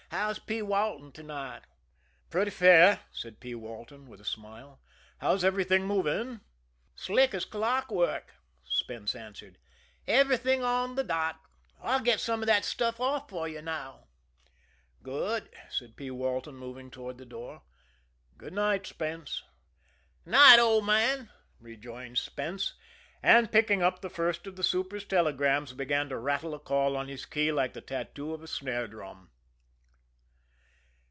"How's P. Walton to night?" "Pretty fair," said P. Walton, with a smile. "How's everything moving?" "Slick as clockwork," Spence answered. "Everything on the dot. I'll get some of that stuff off for you now." "Good," said P. Walton, moving toward the door. "Good night, Spence." "'Night, old man," rejoined Spence, and picking up the first of the super's telegrams began to rattle a call on his key like the tattoo of a snare drum.